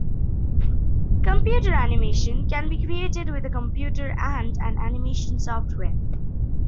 Computer animation can be created with a computer and an animation software.